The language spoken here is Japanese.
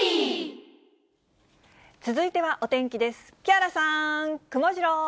続いてはお天気です。